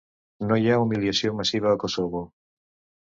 No hi ha humiliació massiva a Kosovo.